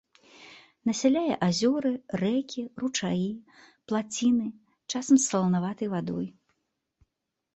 Насяляе азёры, рэкі, ручаі, плаціны часам з саланаватай вадой.